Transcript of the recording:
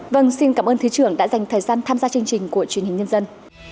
vâng xin cảm ơn thứ trưởng đã dành thời gian tham gia chương trình của truyền hình nhân dân